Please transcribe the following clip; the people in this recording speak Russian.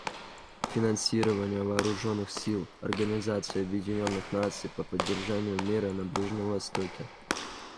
Финансирование Вооруженных сил Организации Объединенных Наций по поддержанию мира на Ближнем Востоке.